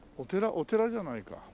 お寺じゃないか。